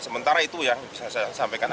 sementara itu yang bisa saya sampaikan